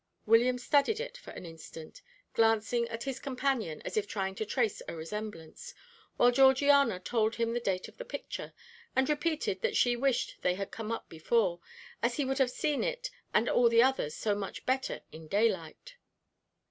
William studied it for an instant, glancing at his companion as if trying to trace a resemblance, while Georgiana told him the date of the picture, and repeated that she wished they had come up before, as he would have seen it and all the others so much better in daylight.